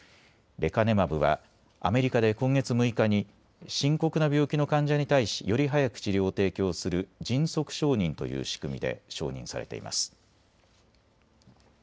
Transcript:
レカネマブはアメリカで今月６日に深刻な病気の患者に対し、より早く治療を提供する迅速承認という仕組みで承認されています。